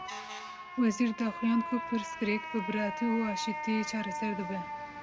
Wezîr, daxuyand ku pirsgirêk bi biratî û aştiyê çareser dibe